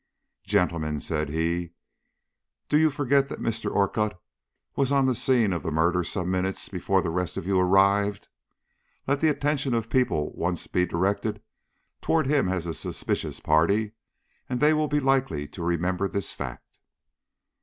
"Gentlemen," said he, "do you forget that Mr. Orcutt was on the scene of murder some minutes before the rest of you arrived? Let the attention of people once be directed toward him as a suspicious party, and they will be likely to remember this fact."